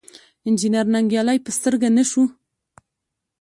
انجنیر ننګیالی په سترګه نه شو.